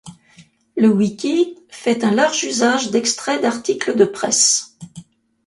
Le wiki fait un large usage d'extraits d'articles de presse.